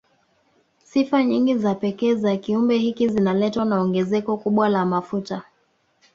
Sifa nyingi za pekee za kiumbe hiki zinaletwa na ongezeko kubwa la mafuta